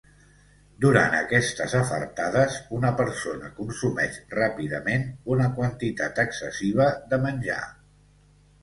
Durant aquestes afartades, una persona consumeix ràpidament una quantitat excessiva de menjar.